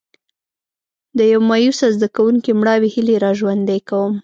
د یو مایوسه زده کوونکي مړاوې هیلې را ژوندي کوم.